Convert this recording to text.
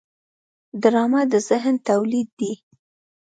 ډرامه د ذهن تولید دی